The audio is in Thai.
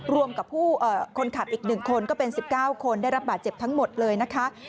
รวมกับคนขับอีก๑คนก็เป็น๑๙คนได้รับบาดเจ็บทั้งหมดเลยนะคะ